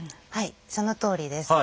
そのとおりです。